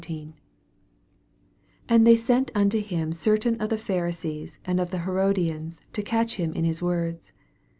18 And they send unto him certain of the Pharisees and of the Herodians, to catch him in his words.